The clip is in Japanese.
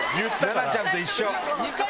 菜名ちゃんと一緒。